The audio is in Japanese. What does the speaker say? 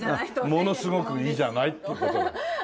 ものすごくいいじゃないって事で。